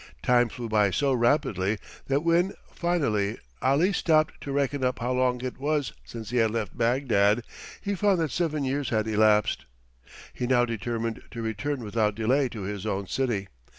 Time flew by so rapidly that when, finally, Ali stopped to reckon up how long it was since he had left Bagdad, he found that seven years had elapsed. He now determined to return without delay to his own city.